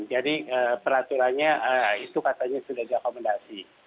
jadi peraturannya itu katanya sudah diakomodasi